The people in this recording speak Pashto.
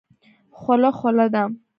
خوله خوله ده.